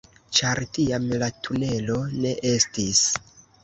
Ĉar tiam la tunelo ne estis